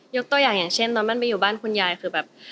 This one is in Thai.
ตัวอย่างอย่างเช่นตอนมันไปอยู่บ้านคุณยายคือแบบ